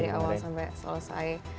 dari awal sampai selesai